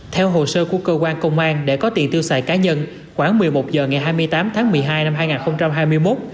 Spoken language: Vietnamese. theo hồ sơ của cơ quan công an để có tiền tiêu xài cá nhân khoảng một mươi một h ngày hai mươi tám tháng một mươi hai năm hai nghìn hai mươi một